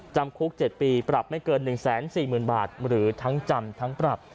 จำคุก๗ปีปรับไม่เกิน๑๔๐๐๐บาทหรือทั้งจำทั้งปรับ